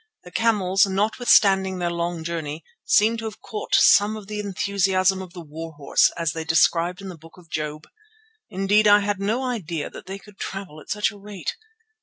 The camels, notwithstanding their long journey, seemed to have caught some of the enthusiasm of the war horse as described in the Book of Job; indeed I had no idea that they could travel at such a rate.